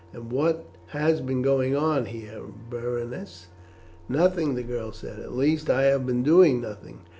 And what has been going on here, Berenice?" "Nothing," the girl said; "at least I have been doing nothing.